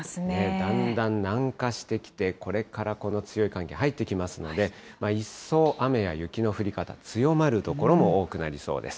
だんだん南下してきて、これからこの強い寒気入ってきますので、一層、雨や雪の降り方、強まる所も多くなりそうです。